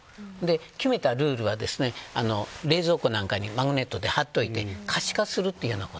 決めたルールは冷蔵庫などにマグネットで貼って、可視化するということ。